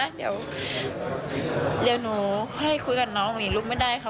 น้องหายแล้วน้องจะตามมา